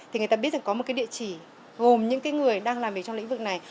thì người ta biết rằng có một cái địa chỉ gồm những người đang làm việc trong lĩnh vực này